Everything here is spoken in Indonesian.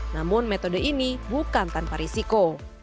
namun metode ini bukan tanpa risiko